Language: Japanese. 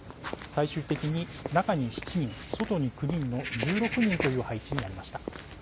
最終的に中に７人外に９人の１６人という配置になりました。